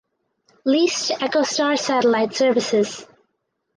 Leased to Echostar Satellite Services.